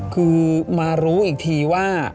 คือมารู้อีกทีว่า